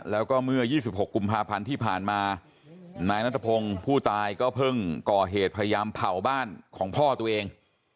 แล้วก็เมื่อ๒๖กุมภาพันธ์ที่ผ่านมานายนัทพงศ์ผู้ตายก็เพิ่งก่อเหตุพยายามเผาบ้านของพ่อตัวเอง